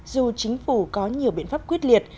dù chính phủ có nhiều biện pháp quyết liệt